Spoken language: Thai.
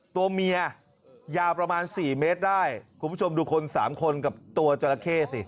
ตัวเมียยาวประมาณสี่เมตรได้คุณผู้ชมดูคนสามคนกับตัวจราเข้สิ